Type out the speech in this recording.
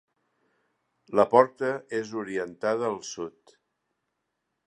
La porta és orientada al sud.